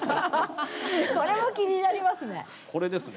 これも気になりますね。